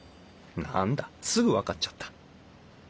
何だすぐ分かっちゃった。